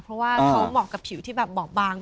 เพราะว่าเขาเหมาะกับผิวที่แบบบอบบาง